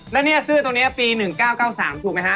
แล้วเนี่ยเสื้อตัวนี้ปี๑๙๙๓ถูกไหมฮะ